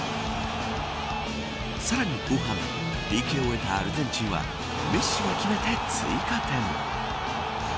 さらに後半ＰＫを得たアルゼンチンはメッシが決めて追加点。